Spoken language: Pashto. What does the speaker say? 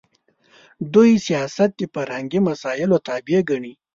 دوی سیاست د فرهنګي مسایلو تابع ګڼي.